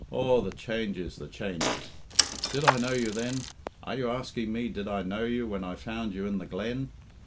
Aw, the changes, the changes!... Did I know you then? Are you asking me did I know you when I found you in the glen?